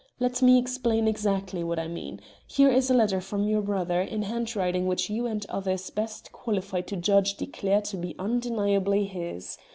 Let me explain exactly what I mean. Here is a letter from your brother, in handwriting which you and others best qualified to judge declare to be undeniably his.